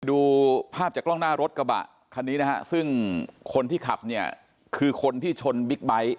ดูภาพจากกล้องหน้ารถกระบะคันนี้นะฮะซึ่งคนที่ขับเนี่ยคือคนที่ชนบิ๊กไบท์